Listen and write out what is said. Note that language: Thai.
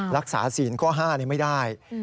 รักษาศีลข้อ๕นี้ไม่ได้